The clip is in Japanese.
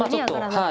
はい。